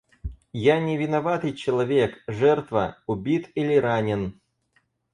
Я, невиноватый человек, жертва — убит или ранен.